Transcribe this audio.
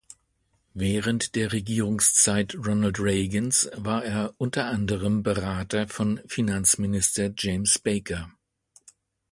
Während der Regierungszeit Ronald Reagans war er unter anderem Berater von Finanzminister James Baker.